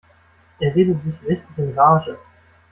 Er redet sich richtig in Rage.